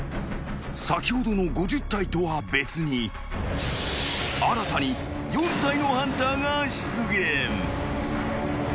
［先ほどの５０体とは別に新たに４体のハンターが出現］